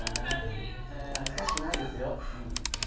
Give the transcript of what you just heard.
恥ずかしくないですよ。